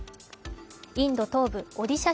インド東部オディシャ